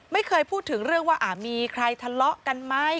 ไม่เคยพูดถึงเรื่องว่ามีใครทะเลาะกันไหม